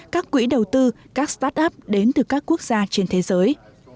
các quỹ đầu tư các start up đến từ các quốc gia trên thế giới